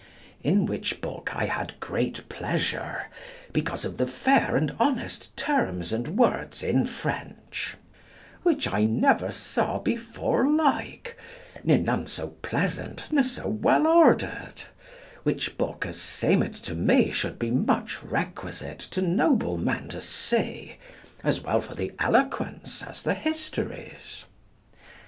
In which book I had great pleasure because of the fair and honest terms and words in French; which I never saw before like, ne none so pleasant ne so well ordered; which book as seemed to me should be much requisite to noble men to see, as well for the eloquence as the histories.